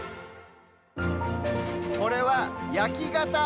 これは「やきがた」。